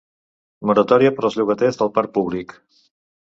Moratòria per als llogaters del parc públic.